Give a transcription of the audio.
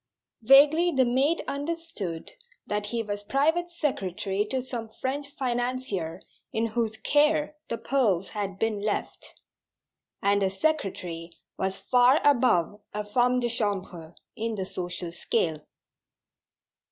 Vaguely the maid understood that he was private secretary to some French financier in whose "care" the pearls had been left; and a secretary was far above a femme de chambre in the social scale.